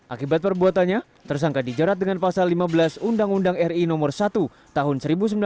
akibat perbuatannya tersangka dijerat dengan pasal lima belas undang undang ri no satu tahun seribu sembilan ratus sembilan puluh